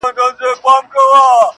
هغه خو هغه کوي، هغه خو به دی نه کوي~